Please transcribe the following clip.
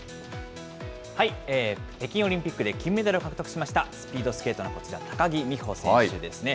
北京オリンピックで金メダルを獲得しましたスピードスケートのこちら、高木美帆選手ですね。